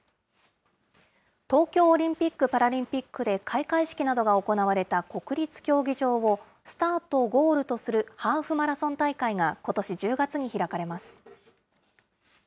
東京オリンピック・パラリンピックで開会式などが行われた国立競技場をスタート、ゴールとするハーフマラソン大会が、ことし１０月に開かれます。